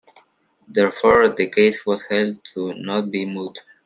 Therefore, the case was held not to be moot.